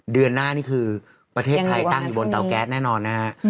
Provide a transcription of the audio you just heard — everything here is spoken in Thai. เดือนหน้านี่คือประเทศไทยตั้งอยู่บนเตาแก๊สแน่นอนนะฮะ